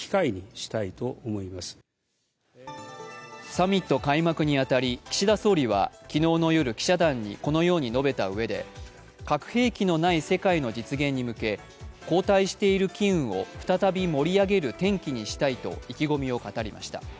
サミット開幕にあたり、岸田総理は昨日の夜、記者団にこのように述べたうえで核兵器のない世界の実現に向け後退している機運を再び盛り上げる転機にしたいと意気込みを語りました。